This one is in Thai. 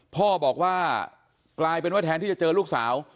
พ่อบอกว่ากลายเป็นว่าแทนที่จะเจอลูกสาว